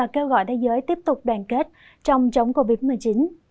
kêu gọi thế giới tiếp tục đoàn kết trong chống covid một mươi chín